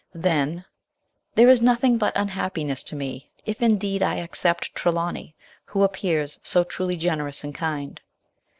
Then, " There is nothing but unhappiness to me, if indeed I except Trelawny, who appears so truly generous and kind.